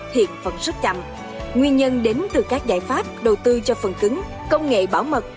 hiện vẫn rất chậm nguyên nhân đến từ các giải pháp đầu tư cho phần cứng công nghệ bảo mật